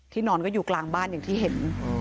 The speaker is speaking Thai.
นอนก็อยู่กลางบ้านอย่างที่เห็น